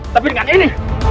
tapi dengan ini